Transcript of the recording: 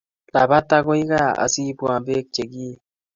Labat ako kaa asiibwon pek chekiey.